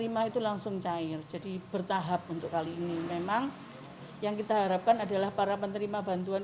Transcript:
memang yang kita harapkan adalah para penerima bantuan